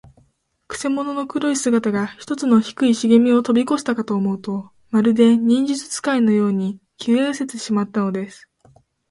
くせ者の黒い姿が、ひとつの低いしげみをとびこしたかと思うと、まるで、忍術使いのように、消えうせてしまったのです。